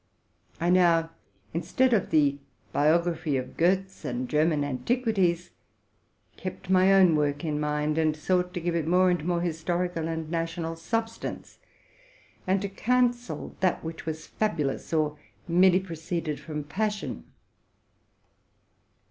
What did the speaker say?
I now, instead of the biography of Gétz and German antiq uities, kept my own work in mind, and sought to give it more and more historical and national substance, and to can cel that which was fabulous or merely proceeded from pas sion.